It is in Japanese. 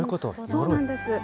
そうなんです。